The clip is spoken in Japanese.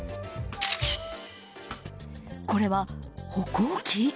これは歩行器？